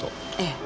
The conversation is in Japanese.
ええ。